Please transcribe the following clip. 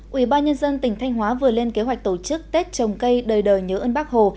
quỹ ba nhân dân tỉnh thanh hóa vừa lên kế hoạch tổ chức tết trồng cây đời đời nhớ ướn bác hồ